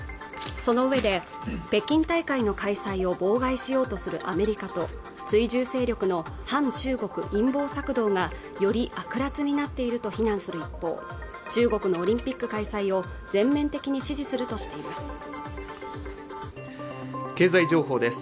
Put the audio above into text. そのうえで北京大会の開催を妨害しようとするアメリカと追従勢力の反中国陰謀策動がより悪辣になっていると非難する一方中国のオリンピック開催を全面的に支持するとしています